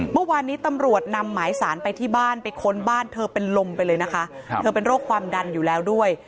เมื่อวานนี้ตำรวจนำหมายสารไปที่บ้านไปค้นบ้านเธอเป็นลมไปเลยนะคะเธอเป็นโรคความดันอยู่แล้วด้วย